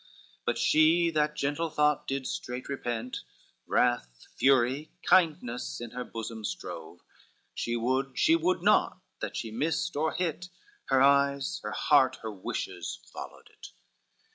But she that gentle thought did straight repent, Wrath, fury, kindness, in her bosom strove, She would, she would not, that it missed or hit, Her eyes, her heart, her wishes followed it.